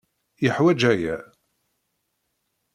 Yeḥwaj aya.